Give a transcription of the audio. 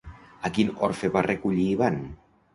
A quin orfe va recollir Ivan?